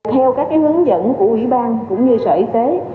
theo các hướng dẫn của quỹ ban cũng như sở y tế